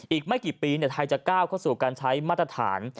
อีกไม่กี่ปีไทยจะก้าวเข้าสู่การใช้มาตรฐาน